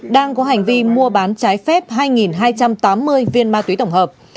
đang có hành vi mua bán trái phép hai hai trăm tám mươi viên ma túy tổng hợp